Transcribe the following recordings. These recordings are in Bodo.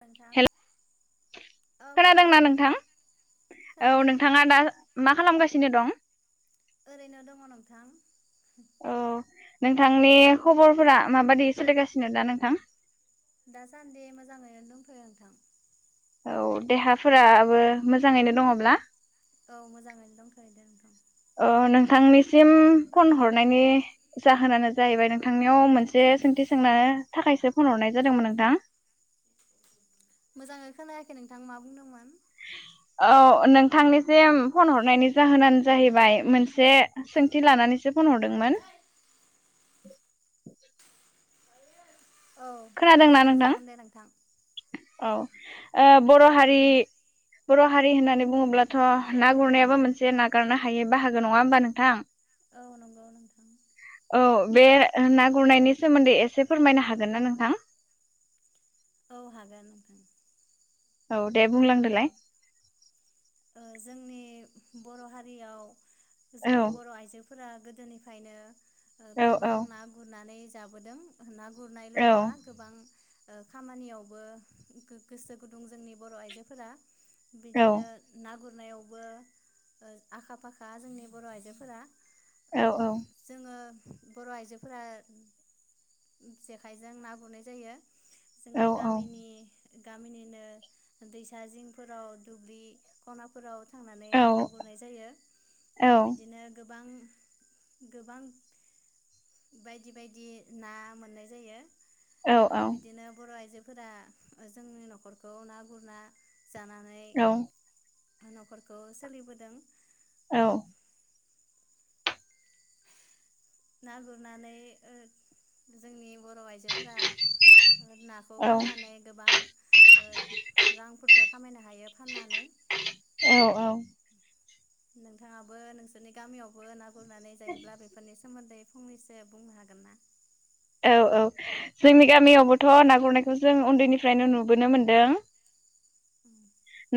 नोंथां हेल औ खोनादों खोनादोंना नोंथां औ खोनादों नोंथाङा दा मा खालामगासिनो दं? ओरैनो दङ नोंथां औ नोंथांनि खबरफोरा माबायदि सोलिगासिनो दा नोंथां? दासान्दि मोजाङैनो दंथयो नोंथां औ देहाफोराबो मोजाङैनो दङब्ला? औ मोजाङैनो दंथयो नोंथां औ नोंथांनिसिम फन हरनायनि जाहोनानो जाहैबाय नोंथांनियाव मोनसे सोंथि सोंनो थाखायसो फन हरनाय जादोंमोन नोंथां मोजाङै खोनायाखै नोंथां मा बुंदोंमोन? ओ नोंथांनिसिम फन हरनायनि जाहोनानो जाहैबाय मोनसे सोंथि लानानैसो फन हरदोंमोन औ खोनादोंना नोंथां सोंजागोन दे नोंथां औ ओ बर हारि बर हारि होननानै बुङोब्लाथ ना गुरनायाबो मोनसे नागारनो हायै बाहागो नङा होमबा नोंथां? औ नंगौ नोंथां। औ बे ना गुरनायनि सोमोन्दै एसे फोरमायनो हागोन ना नोंथां? औ हागोन नोंथां औ दे बुंलांदोलाय ओ जोंनि बर हारियाव औ जोंनि बर आइजोफोरा फ्रा गोदोनिफ्रायनो औ गोबां औ ना गुरनानै जा जाबोदों होनना गुरनायल औ नङा गोबां खामानियावबो गोसो गुदुं जोंनि बर आइजोफोरा। औ बिदिनो ना गुरनायावबो आखा फाखा जोंनि बर आइजोफोरा। ओ औ जोङो बर आइजोफोरा जेखाइजों ना गुरनाय जायो। औ जोङो गामिनि गामिनिनो दैसा जिंफोराव दुब्लि खनाफोराव थांनानै औ नाखौ गुरनाय जायो बिदिनो गो गोबां गोबां बायदि बायदि ना मोननाय जायो। औ ओ बिदिनो बर आइजो फोरा जोंनि नखरखौ ना गुरना जाना औ नखरखौ सोलिबोदों। औ ना गुरनानै ओ जोंनि बर आइजोफोरा नाखौ औ फाननानै गोबां ओ रांफोरबो खामायनो हायो फाननानै। औ नोंथाङाबो नोंसोरनि गामियावबो ना गुरनानै जायोब्ला बेफोरनि सोमोन्दै फंनैसो बुंनो हागोन ना? औ औ जोंनि गामियावबोथ ना गुरनायखौ जों उन्दैनिफ्रायनो नुबोनो मोन्दों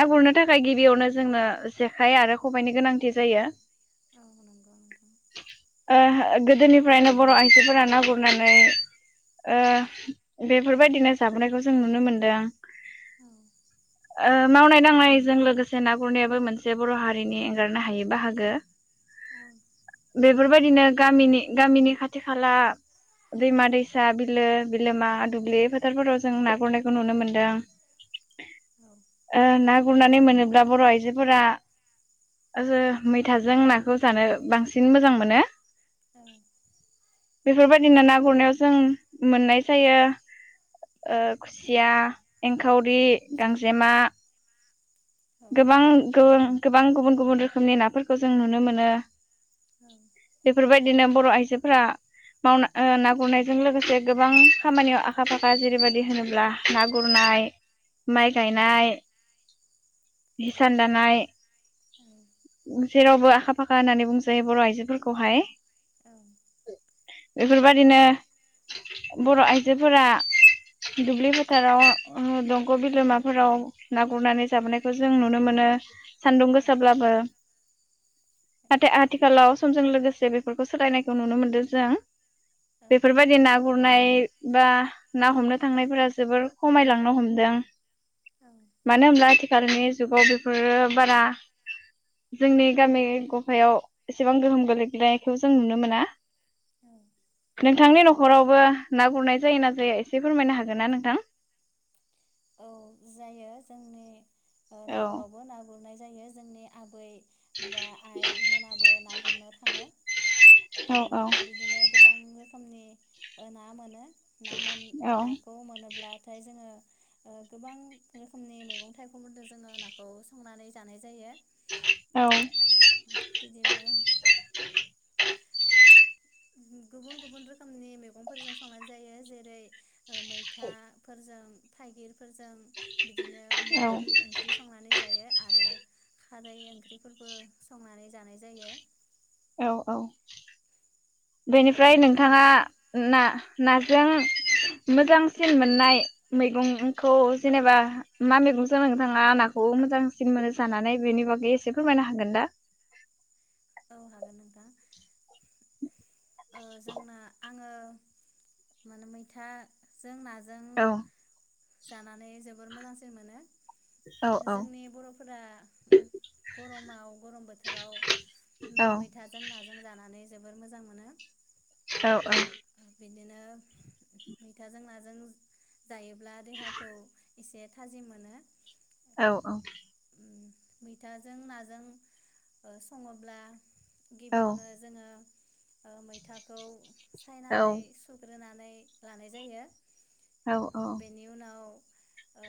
ना गुरनो थाखाय गिबियावनो जोंनो जेखाइ आरो खबाइनि गोनांथि जायो। औ नंगौ नोंथां आ गोदोनिफ्रायनो बर आइजोफोरा ना गुर गुरनानै ओ बेफोरबायदिनो जाबोनायखौ जों नुनो मोन्दों औ ओ मावनाय दांनायजों लोगोसे ना गुरनायाबो मोनसे बर हारिनि एंगारनो हायै बाहागो औ बेफोरबायदिनो गामिनि गामिनि खाथि खाला दैमा दैसा बिलो बिलोमा दुब्लि फोथारफोराव जों ना गुरनायखौ नुनो मोन्दों। औ ओ ना गुरनानै मोनोब्ला बर' आइजोफोरा मैथाजों नाखौ जानो बांसिन मोजां मोनो। औ। बेफोरबायदि बायदिनो ना गुरनायाव जों मोननाय जायो ओ खुसिया, एंखावरि, गांजेमा औ गोबां गोबां गुबुन गुबुन रोखोमनि नाफोरखौ जों नुनो मोनो औ बेफोरबायदिनो बर' आइजोफोरा मावना ओ ना गुरनायजों लोगोसे गोबां खामानियाव आखा फाखा जेरैबायदि होनोब्ला ना गुरनाय माइ गायनाय हिसानदनाय जेरावबो आखा फाखा होननानै बुंसायो बर' आइजोफोरखौहाय। औ। बेफोरबायदिनो बर' आइजोफोरा दुब्लि फो थाराव दंग बि बिलोमाफोराव ना गुरनानै जाबोनाय बेखो जों नुनो मोनो। सान्दुं गोसाब्लाबो औ नाथाय आथिखालाव समजों लोगोसे बेफोरखौ सोलायनायखौ नुनो मोनदों जों। बेफोरबायदि ना गुरनाय बा ना हमनो थांनायफोरा जोबोर खमायलांनो हमदों। औ मानो होनोब्ला थे आथिखालनि जुगाव बेफोरो बारा जोंनि गामि गफायाव एसेबां गोहोम गोलैग्लायखौ जों नुनो मोना। औ। नोंथांनि न खरावबो ना गुरनाय जायोना जाया एसे फोरमायनो हागोन ना नोंथां। औ जायो जोंनि। ओ न' औ खरावबो ना गुरनाय जायो जोंनि आबै। बा आइ मोनाबो ना गुरनो थाङो। औ उम औ बिदिनो गोबां खोमनि ओ ना मोनो। ना मोन औ नाखौ मोनोब्लाथाय जोङो। ओ गोबां रोखोमनि मैगं थाइगंफोरजों जोङो नाखौ संनानै जानाय जायो। औ बिदिनो। गुबुन गुबुन रोखोमनि मैगंफोरजों संनाय जायो जेरै मैथाफोरजों थाइगिरफोर जों बिदिनो औ मोखि ओंख्रि संनानै जायो आरो खारै ओंख्रिफोरबो संनानै जानाय जायो। औ औ। बेनिफ्राय नोंथांनि नोंथाङा न'खराव ना ना जों मोजांसिन मोननाय मैगंखौ जेनेबा मा मैगं जों नोंथाङा नाखौ मोजांसिन मोनो जानानै बेनि बागै एसे फोरमायनो हागोन दा। औ हागोन नोंथां। ओ जोंना आङो मोन-मैथा जों नाजों औ। जानानै जोबोर मोजांसिन मोनो। औ औ जोंनि बर'फोरा गरमाव गरम बोथोराव औ मैथाजों नाजों जानानै जोबोर मोजां मोनो। औ औ। बिदिनो मैथाजों नाजों जायोब्ला देहाखौ एसे थाजिम मोनो। औ औ। मैथाजों नाजों सङोब्ला औ गिबियावनो जोङो ओ मैथाखौ औ सायनानै सुग्रोनानै लानाय जायो। औ बेनि उनाव ओ।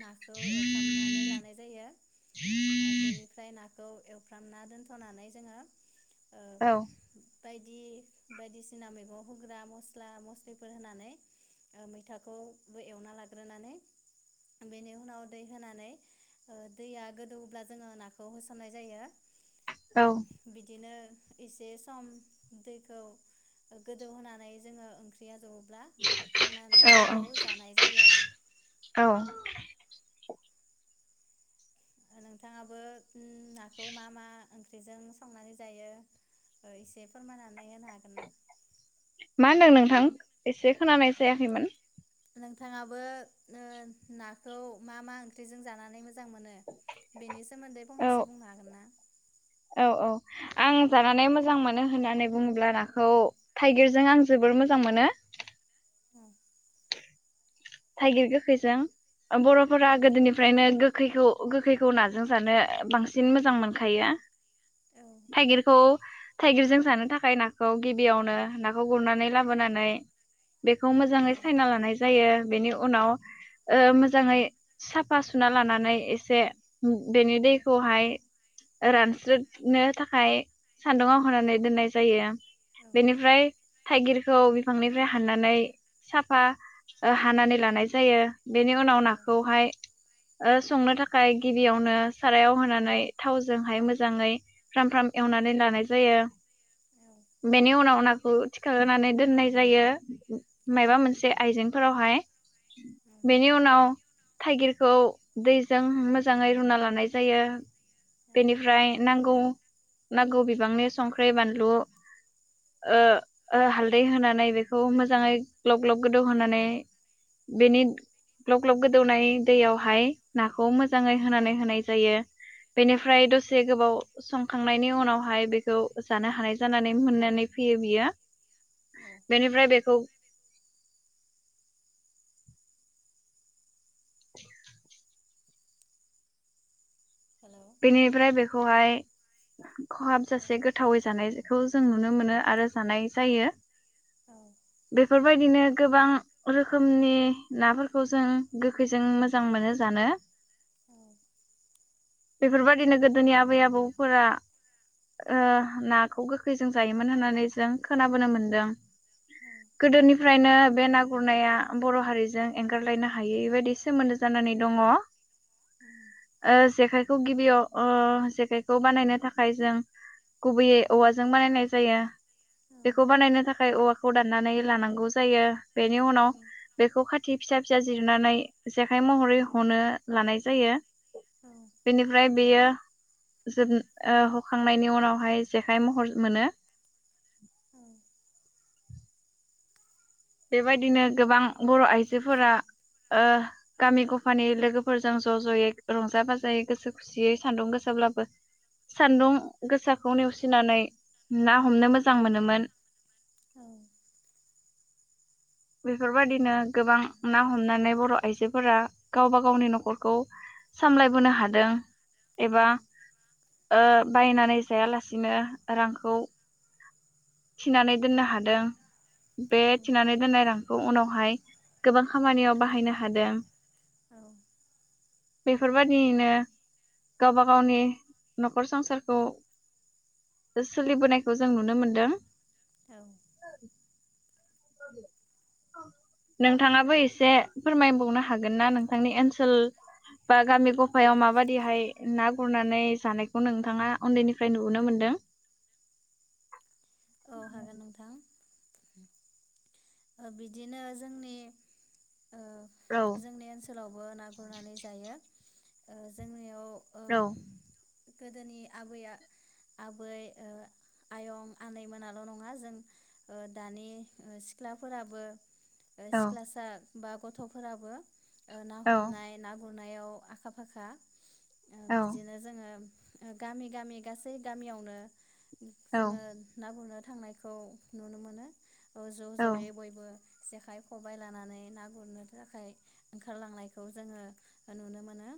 नाखौ एवफ्रामनानै लानाय जायो बेनिफ्राय ना खौ एवफ्रामना दोनथनानै जोङो ओ औ। बायदि बायदिसिना सिना मैगं होग्रा मस्ला मस्लिफोर होनानै मैथाखौबो एवना लाग्रोनानै बेनि उनाव दै होनानै दैया गोदौब्ला जोङो नाखौ होसननाय जायो। औ ओ बिदिनो इसे सम दैखौ गोदौ होनानै जोङो ओंख्रिआ जब ब्ला खांनानै औ बेखौ जानाय जायो आरो। औ नोंथाङाबो नाखौ मा मा ओंख्रिजों संनानै जायो एसे फोरमायनानै होनो हागोन ना? मा होनदों नोंथां एसे खोनानाय जायाखैमोन। नोंथाङाबो ओ नाखौ मा मा ओंख्रिजों जानानै मोजां? मोजां मोनो बेनि सोमोन्दै औ फंनैसो बुंनो हागोन ना। औ औ आं जानानै मोजां मोनो होननानै बुङोब्ला नाखौ थाइगिरजों आं जोबोर मोजां मोनो। औ थाइगिर गोखैजों। औ बरफोरा गोदोनिफ्रायनो गो गोखैखौ गोखैखौ नाजों जानो बांसिन मोजां मोनखायो औ थाइगिरखौ थाइगिरजों जानो थाखाय नाखौ गिबियावनो नाखौ गुरनानै लाबोनानै बेखौ औ मोजाङै सायना लानाय जायो। बेनि उनाव ओ मोजाङै साफा सुना लानानै एसे बेनि दैखौहाय रानस्रोदनो थाखाय सान्दुंआव होनानै दोननाय जायो। औ बेनिफ्राय थाइगिरखौ बिफांनिफ्राय हाननानै साफा हानानै लानाय जायो बेनि उनाव नाखौहाय ओ संनो थाखाय गिबियावनो सारायाव होनानै थावजोंहाय मोजाङै फ्राम फ्राम एवनानै लानाय जायो बेनि उनाव नाखौ थिखांनै दोननाय जायो औ माबा मोनसे आइजें फोरावहाय। बेनि उनाव थाइगिरखौ दैजों मोजाङै रुना लानाय जायो बेनिफ्राय नांगौ नांगौ बिबांनि संख्रि बानलु ओ ओ हालदै होनानै बेखौ मोजाङै ग्लब ग्लब गोदौ होनानै बे बेनि ग्लब ग्लब गोदौनाय दैयावहाय नाखौ मोजाङै होनानै होनाय जायो। बेनिफ्राय दसे गोबाव संखांनायनि उनावहाय बेखौ जानो हानाय जानानै मोननानै फैयो बियो। औ बेनिफ्राय बेखौ [inaudible] हेलौ बेनिफ्राय बेखौहाय औ खहाबजासे गोथावै जानाय जा खौ जों नुनो मोनो आरो जानाय जायो बेफोरबायदिनो गोबां रोखोमनि नाफोरखौ जों गोखैजों मोजां मोनो जानो। बेफोरबायदिनो गोदोनि आबै आबौफोरा ओ नाखौ गोखैजों जायोमोन होननानै जों खोनाबोनो मोनदों गोदोनिफ्रायनो बे ना गुरनाया बर हारिजों एंगारलायनो हायै बायदि सोमोन्दो जानानै दङ। औ ओ जेखाय खौ गिबियाव ओ जेखाइखौ बानायनो थाखाय जों गुबैयै औवाजों बानायनाय जायो। औ औ बेखौ बानायनो थाख फाय औवाखौ दाननानै लानांगौ जायो। बेनि उनाव बेखौ खाथ थि फिसा फिसा जिरनानै जेखाइ महरै हनो लानाय जायो। औ बेनिफ्राय बेयो जोब ओ हखांनायनि उनावहाय जेखाइ महर मोनो। बेबायदिनो गोबां बर आइजोफोरा ओ गामि गफानि लोगोफोरजों ज जयै रंजा बाजायै गोसो खुसियै सान्दुं गोसाब्लाबो सान्दुं गोसाखौ नेवसिनानै ना हमनो मोजां मोनोमोन। औ बेफोरबायादिनो गोबां ना हमनानै बर आइजोफोरा गावबा गावनि नखरखौ सामलायबोनो हादों। एबा ओ बायनानै जायालासिनो रांखौ थिनानै दोननो हादों। बे थिनानै दोननाय रां खौ उनावहाय गोबां खामानियाव बाहायनो हादों। औ बेफोरबायदियैनो गावबा गावनि नखर संसारखौ सोलिबोनायखौ जों नुनो मोनदों। औ नोंथाङाबो एसे फोरमायबावनो हागोन ना नोंथांनि ओन्सोल बा गामि गफायाव माबादिहाय ना गुरनानै जानायखौ नोंथाङा उन्दैनिफ्राय नुबोनो मोनदों? औ हागोन नोंथां। [inaudible] ओ बिदिनो जोंनि ओ औ जोंनि ओन्सोलावबो ना गुरनानै जायो। ओ जोंनियाव ओ औ गोदोनि आबैया आबै ओ आयं आनै मोनाल' नङा जों ओ दानि ओ सि ख्लाफोराबो ओ औ सिख्लासा बा गथफोराबो ओ ना औ हमनाय ना गुर नायाव आखा फाखा। ओ बिदिनो जोङो ओ गामि गामि गासै गामियावनो औ जोङो ना गुरनो थांनायखौ नुनो मोनो ओ औ जयै बयबो जेखाइ, खबाय लानानै ना गुरनो थाखाय ओंखारलांनायखौ जोङो नुनो मोनो।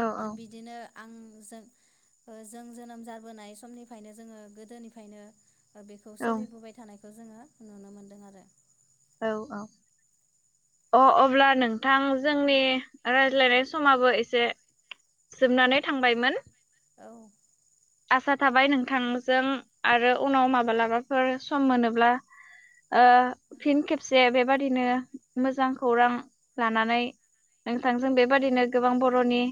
औ बिदिनो आंजों ओ जों जोनोम जाबोनाय समनिफ्रायनो जोङो गोदोनिफायनो बेखौ औ सोलिबोबाय थानाय खौ जोङो नुनो मोन दों आरो औ औ अ अब्ला नोंथां जोंनि रायज्लायनाय समाबो एसे जोबनानै थांबायमोन। औ आसा थाबाय नोंथांजों आरो उनाव माबालाबाफोर सम मोनोब्ला ओ फिन खेबसे बेबादिनो मोजां खौरां लानानै नोंथांजों औ बेबादिनो गोबां बरनि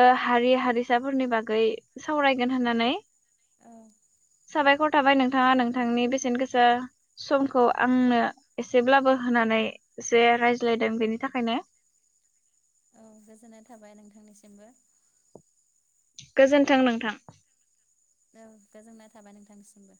ओ हारि हारिसाफोरनि बागै सावराय गोन होननानै। औ साबायखर थाबाय नोंथाङा नोंथांनि बेसेन गोसा समखौ आंनो एसेब्लाबो होनानै एसे रायज्लायदों बेनि थाखायनो। औ गोजोननाय थाबाय नोंथांनिसिमबो। गोजोन्थों नोंथां। औ गोजोननाय थाबाय नोंथांनिसिमबो।